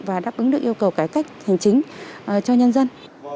và đáp ứng được yêu cầu cải cách hành chính cho nhân dân